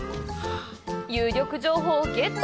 有力情報をゲット！